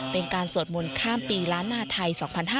เป็นการสวดมนต์ข้ามปีล้านนาไทย๒๕๕๙